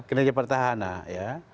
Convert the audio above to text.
kinerja petahana ya